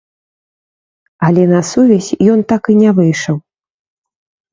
Але на сувязь ён так і не выйшаў.